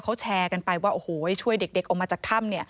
เขาแชร์กันไปว่าโอ้โหช่วยเด็กออกมาจากถ้ำ